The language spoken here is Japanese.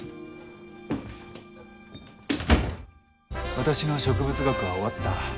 私の植物学は終わった。